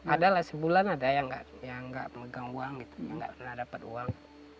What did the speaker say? ada lah sebulan ada yang gak megang uang gitu yang gak pernah dapet uang